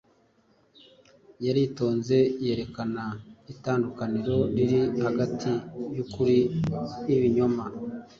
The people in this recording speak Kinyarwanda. Yaritonze yerekana itandukaniro riri hagati y’ukuri n’ibinyoma.